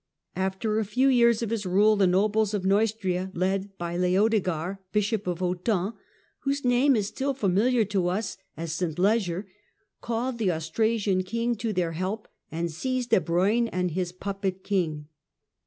After a few years of his rule the nobles of Neustria, led by Leodegar, Bishop of Autun (whose name is still familiar to us as " St. Leger"), called the Austrasian king to their help and. seized Ebroin and his puppet king.